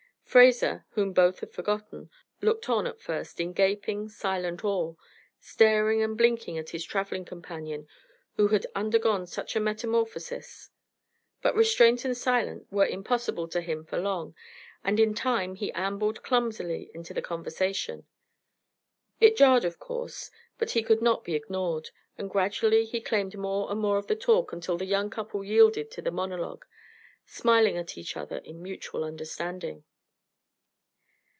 Fraser, whom both had forgotten, looked on at first in gaping, silent awe, staring and blinking at his travelling companion, who had undergone such a metamorphosis. But restraint and silence were impossible to him for long, and in time he ambled clumsily into the conversation. It jarred, of course, but he could not be ignored, and gradually he claimed more and more of the talk until the young couple yielded to the monologue, smiling at each other in mutual understanding.